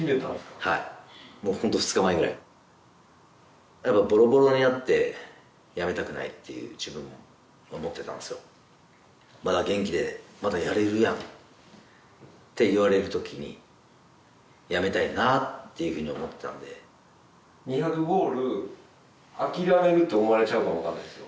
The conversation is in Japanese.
はいもうホント２日前ぐらいまだ元気でまだやれるやんって言われる時に辞めたいなっていうふうに思ってたんで２００ゴール諦めるって思われちゃうかも分かんないですよ